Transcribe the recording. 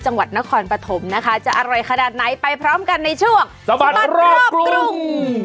จังหวัดนครปฐมนะคะจะอร่อยขนาดไหนไปพร้อมกันในช่วงสบัดรอบกรุง